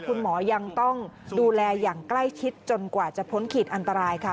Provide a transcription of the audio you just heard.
คุณหมอยังต้องดูแลอย่างใกล้ชิดจนกว่าจะพ้นขีดอันตรายค่ะ